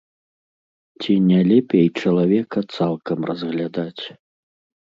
Ці не лепей чалавека цалкам разглядаць?